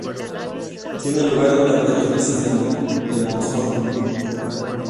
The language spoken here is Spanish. Tiene lugar durante los meses del monzón.